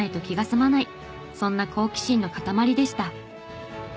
そんな好奇心の塊でした。